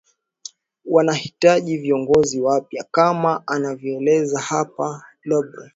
wanahitaji viongozi wapya kama anavyoeleza hapa labre